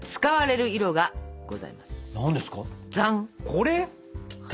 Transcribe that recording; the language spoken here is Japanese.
これ？